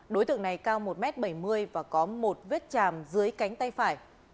đối tượng này cao một m bảy mươi và có một vết chàm dưới cánh tay phải